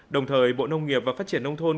đồng thời bộ nông nghiệp và phát triển nông thôn